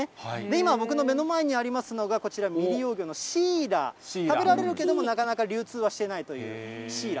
今、僕の目の前にありますのが、こちら、未利用魚のシイラ、食べられるけれども、なかなか流通はしてないというシイラ。